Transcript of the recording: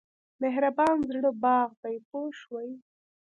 مهربان زړه باغ دی پوه شوې!.